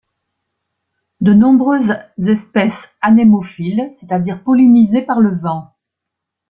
De nombreuses espèces anémophiles, c'est-à-dire pollinisées par le vent.